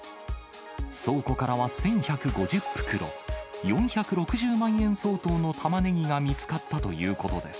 倉庫からは１１５０袋、４６０万円相当のタマネギが見つかったということです。